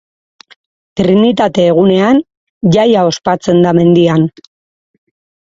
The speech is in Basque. Trinitate egunean, jaia ospatzen da mendian.